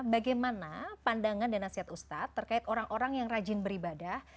bagaimana pandangan dan nasihat ustadz terkait orang orang yang rajin beribadah